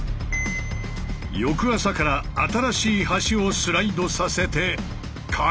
翌朝から新しい橋をスライドさせて架け替える。